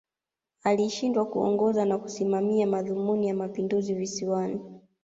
Alishindwa kuongoza na kusimamia madhumuni ya Mapinduzi Visiwani